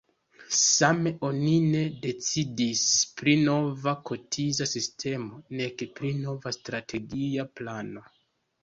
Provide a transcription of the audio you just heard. Same oni ne decidis pri nova kotiza sistemo, nek pri nova strategia plano.